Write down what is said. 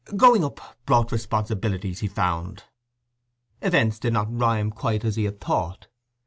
Growing up brought responsibilities, he found. Events did not rhyme quite as he had thought.